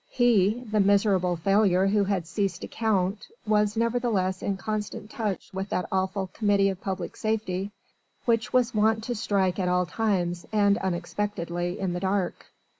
He, the miserable failure who had ceased to count was nevertheless in constant touch with that awful Committee of Public Safety which was wont to strike at all times and unexpectedly in the dark.